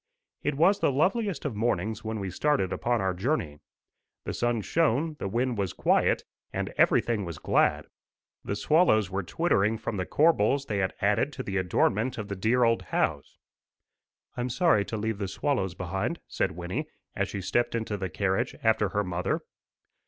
It was the loveliest of mornings when we started upon our journey. The sun shone, the wind was quiet, and everything was glad. The swallows were twittering from the corbels they had added to the adornment of the dear old house. "I'm sorry to leave the swallows behind," said Wynnie, as she stepped into the carriage after her mother.